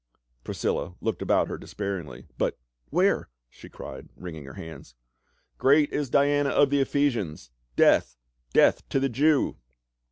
Priscilla looked about her despairingly. " But — where?" she cried, wringing her hands. " Great is Diana of the Ephesians ! Death— death to the Jew